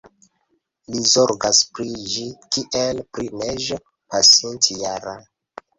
Li zorgas pri ĝi kiel pri neĝo pasintjara.